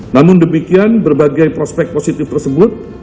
namun demikian berbagai prospek positif tersebut